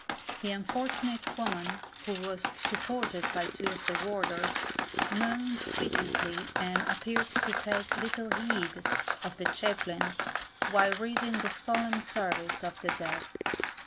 The unfortunate woman, who was supported by two of the warders, moaned piteously, and appeared to take little heed of the chaplain, while reading the solemn service of the dead.